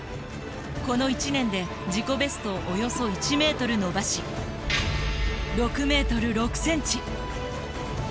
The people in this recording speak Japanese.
この１年で自己ベストをおよそ１ｍ伸ばし６ｍ６ｃｍ。